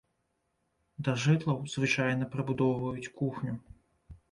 Да жытлаў звычайна прыбудоўваюць кухню.